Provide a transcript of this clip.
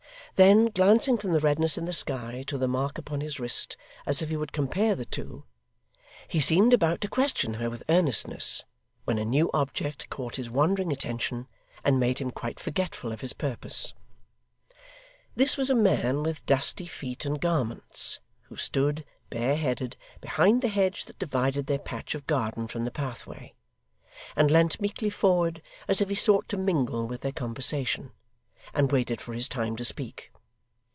Then, glancing from the redness in the sky to the mark upon his wrist as if he would compare the two, he seemed about to question her with earnestness, when a new object caught his wandering attention, and made him quite forgetful of his purpose. This was a man with dusty feet and garments, who stood, bare headed, behind the hedge that divided their patch of garden from the pathway, and leant meekly forward as if he sought to mingle with their conversation, and waited for his time to speak.